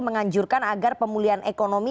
menganjurkan agar pemulihan emabnya